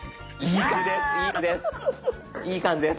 いい感じです。